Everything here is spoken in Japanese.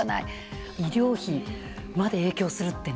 医療費まで影響するってね。